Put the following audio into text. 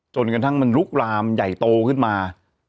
จนกระทั่งมันลุกลามใหญ่โตขึ้นมา